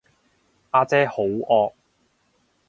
呀姐好惡